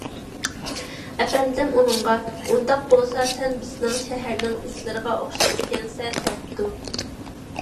ئەپەندىم ئۇنىڭغا: _ ئۇنداق بولسا ، سەن بىزنىڭ شەھەرنىڭ ئىتلىرىغا ئوخشايدىكەنسەن، _ دەپتۇ.